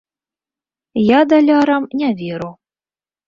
Я далярам не веру.